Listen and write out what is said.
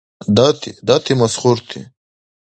Дати, дати масхурти.